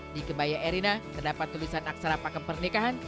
di kebaya erina terdapat tulisan aksara pakem pernikahan